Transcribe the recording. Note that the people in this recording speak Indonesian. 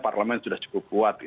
parlemen sudah cukup kuat